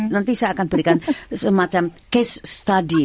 nanti saya akan berikan semacam case study